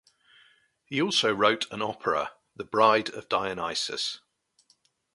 He also wrote an opera, "The Bride of Dionysus".